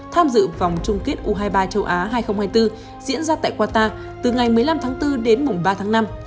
tham dự vòng chung kết u hai mươi ba châu á hai nghìn hai mươi bốn diễn ra tại qatar từ ngày một mươi năm tháng bốn đến mùng ba tháng năm